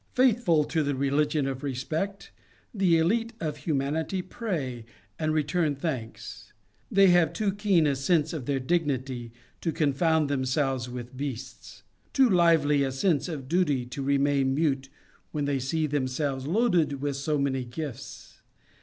Faithful to the religion of respect, the elite of humanity pray and return thanks. They have too keen a sense of their dignity to confound themselves with beasts; too lively a sense of duty to remain mute when they see themselves loaded with so many gifts.